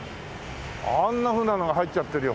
あんなふうなのが入っちゃってるよ。